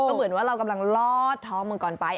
เหมือนว่าเรากำลังลอดท้องมังกรไป